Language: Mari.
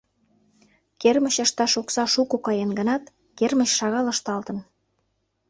Кермыч ышташ окса шуко каен гынат, кермыч шагал ышталтын.